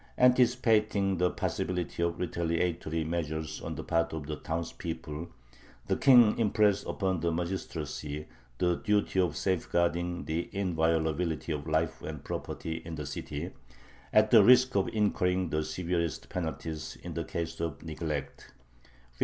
Anticipating the possibility of retaliatory measures on the part of the townspeople, the King impressed upon the magistracy the duty of safeguarding the inviolability of life and property in the city, at the risk of incurring the severest penalties in the case of neglect (1577).